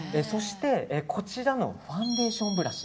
こちらのファンデーションブラシ。